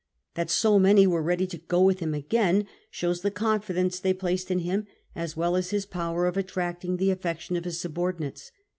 That so many were ready to go with him again shows the confidence they placed in him, as well as his power of attracting the affection of his subordinates.